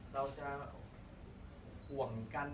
เราจะห่วงกัน